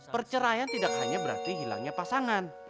perceraian tidak hanya berarti hilangnya pasangan